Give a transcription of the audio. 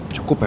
cukup ya pak